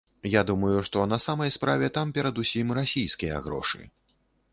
Я думаю, што на самай справе там перадусім расійскія грошы.